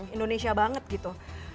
indonesia banget gitu